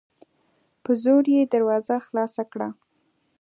په زور یې دروازه خلاصه کړه